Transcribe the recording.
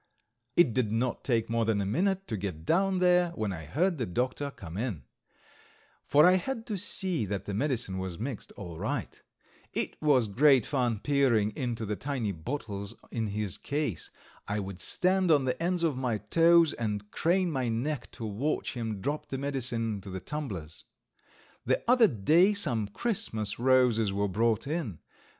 It did not take more than a minute to get down there when I heard the doctor come in, for I had to see that the medicine was mixed all right. It was great fun peering into the tiny little bottles in his case. I would stand on the ends of my toes and crane my neck to watch him drop the medicine into the tumblers. The other day some Christmas roses were brought in.